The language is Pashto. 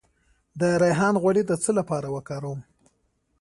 د ریحان غوړي د څه لپاره وکاروم؟